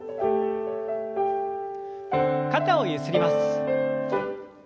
肩をゆすります。